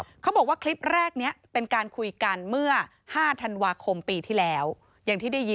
ขอเขาให้เขาได้รายงานตัวได้โทรไปกีฬาไว้